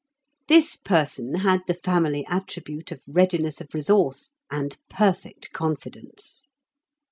This person had the family attribute of readiness of resource and perfect confidence.